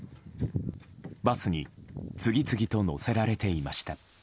バスに次々と乗せられていました。